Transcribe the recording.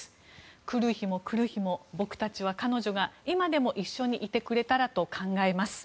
来る日も来る日も僕たちは、彼女が今でも一緒にいてくれたらと考えます。